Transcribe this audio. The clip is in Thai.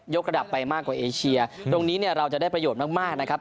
กระดับไปมากกว่าเอเชียตรงนี้เนี่ยเราจะได้ประโยชน์มากมากนะครับ